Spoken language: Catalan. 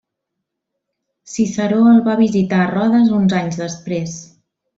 Ciceró el va visitar a Rodes uns anys després.